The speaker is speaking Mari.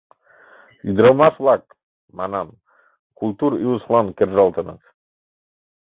Ӱдырамаш-влак, манам, культур илышлан кержалтыныт.